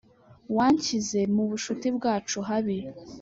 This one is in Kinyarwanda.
wanshyize mubucuti bwacu habi.